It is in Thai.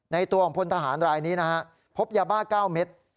ในตัวของผลหารรายนี้พบยาบ้า๙เมตร